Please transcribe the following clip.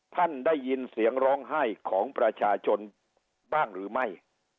ท่านได้ยินเสียงร้องไห้ของประชาชนบ้างหรือไม่